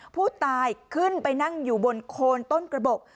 ผู้ตายขึ้นไปนั่งอยู่บนโคนต้นกระบบ